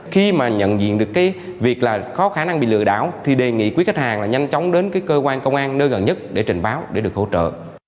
khi mà nhận diện được cái việc là có khả năng bị lừa đảo thì đề nghị quý khách hàng là nhanh chóng đến cái cơ quan công an nơi gần nhất để trình báo để được hỗ trợ